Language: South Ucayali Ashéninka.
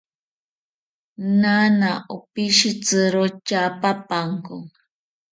Naana opishitziro tyaapapanko